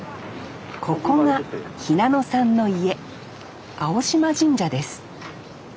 ここが日向野さんの家青島神社です